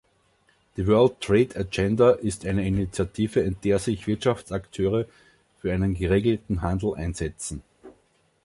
Die World Trade Agenda ist eine Initiative, in der sich Wirtschaftsakteure für einen geregelten Handel einsetzen.